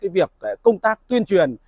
việc công tác tuyên truyền